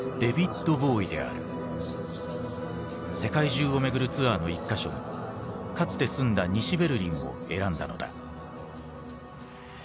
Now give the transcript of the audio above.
世界中を巡るツアーの一か所にかつて住んだ西ベルリンを選んだのだ。